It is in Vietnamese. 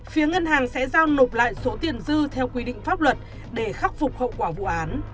phía ngân hàng sẽ giao nộp lại số tiền dư theo quy định pháp luật để khắc phục hậu quả vụ án